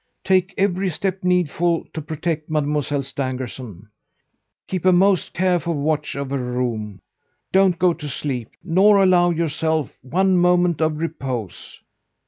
Take every step needful to protect Mademoiselle Stangerson. Keep a most careful watch of her room. Don't go to sleep, nor allow yourself one moment of repose.